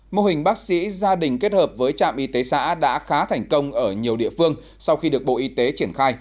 mô hình bác sĩ gia đình kết hợp với trạm y tế xã đã khá thành công ở nhiều địa phương sau khi được bộ y tế triển khai